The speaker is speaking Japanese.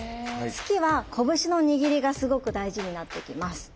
突きは拳の握りがすごく大事になってきます。